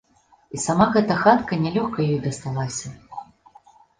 І сама гэта хатка нялёгка ёй дасталася.